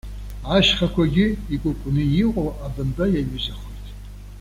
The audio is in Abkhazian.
Ашьхақәагьы, икәыкәны иҟоу абамба иаҩызахоит.